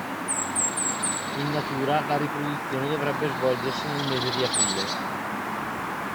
In natura la riproduzione dovrebbe svolgersi nel mese di aprile.